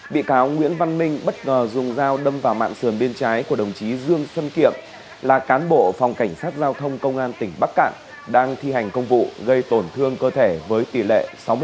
bị cáo nguyễn văn minh bất ngờ dùng dao đâm vào mạng sườn bên trái của đồng chí dương xuân kiệm là cán bộ phòng cảnh sát giao thông công an tỉnh bắc cạn đang thi hành công vụ gây tổn thương cơ thể với tỷ lệ sáu mươi bảy